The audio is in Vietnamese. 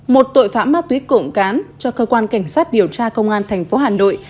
một tội phạm ma túy cộng cán cho cơ quan cảnh sát điều tra công an thành phố hà nội